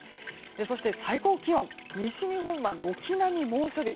そして、最高気温西日本は軒並み猛暑日。